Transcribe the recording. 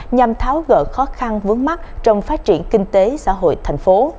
nhằm tháo gỡ khó khăn vướng mắt trong phát triển kinh tế xã hội thành phố